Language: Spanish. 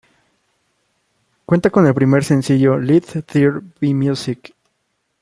Cuenta con el primer sencillo "Let there be music".